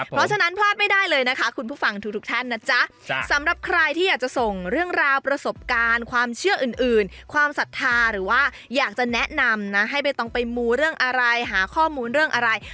เพราะฉะนั้นพลาดไม่ได้เลยนะคะคุณผู้ฟังทุกท่านนะจ๊ะสำหรับใครที่อยากจะส่งเรื่องราวประสบการณ์ความเชื่ออื่นความศรัทธาหรือว่าอยากจะแนะนำนะให้ใบตองไปมูเรื่องอะไรหาข้อมูลเรื่องอะไร